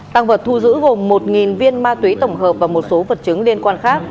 tăng vật thu giữ gồm một viên ma túy tổng hợp và một số vật chứng liên quan khác